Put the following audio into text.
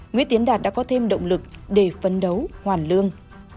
nguyễn tiến đạt đã có thêm động lực để phấn đấu hoàn lương